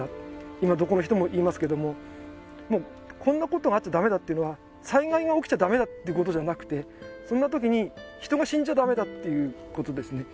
今どこの人も言いますけどもこんなことがあっちゃダメだっていうのは災害が起きちゃダメだっていうことじゃなくてそんな時に人が死んじゃダメだっていうことですね